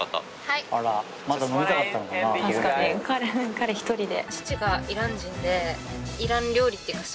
彼一人で。